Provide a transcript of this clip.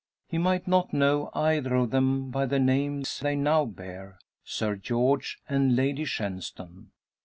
He might not know either of them by the names they now bear Sir George and Lady Shenstone.